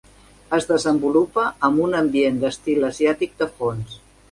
Es desenvolupa amb un ambient d'estil asiàtic de fons.